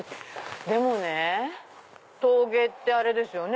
でもね陶芸ってあれですよね。